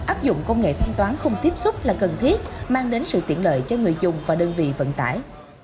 áp dụng công nghệ thanh toán không tiếp xúc là cần thiết mang đến sự tiện lợi cho người dùng và đơn vị vận tải